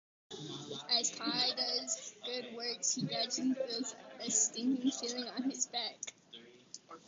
As Pye does good works he gradually feels a stinging feeling on his back.